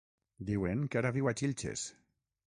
Diuen que ara viu a Xilxes.